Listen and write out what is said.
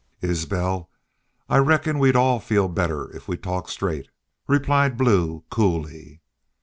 "Isbel, I reckon we'd all feel better if we talk straight," replied Blue, coolly.